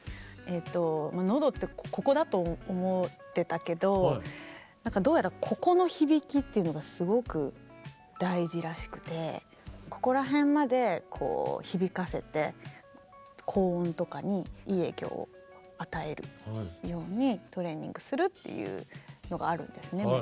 喉ってここだと思ってたけど何かどうやらここの響きっていうのがすごく大事らしくてここら辺までこう響かせて高音とかにいい影響を与えるようにトレーニングするっていうのがあるんですね